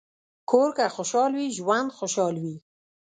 کور که خوشحال وي، ژوند خوشحال وي.